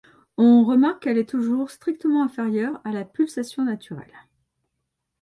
On remarque qu'elle est toujours strictement inférieure à la pulsation naturelle.